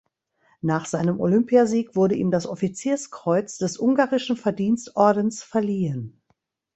Nach seinem Olympiasieg wurde ihm das Offizierskreuz des Ungarischen Verdienstordens verliehen.